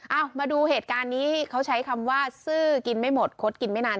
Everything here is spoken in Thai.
เอามาดูเหตุการณ์นี้เขาใช้คำว่าซื่อกินไม่หมดคดกินไม่นาน